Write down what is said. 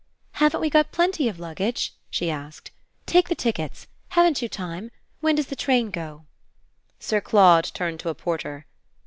"Haven't we got plenty of luggage?" she asked. "Take the tickets haven't you time? When does the train go?" Sir Claude turned to a porter.